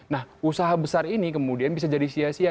nah usaha besar ini kemudian bisa jadi sia sia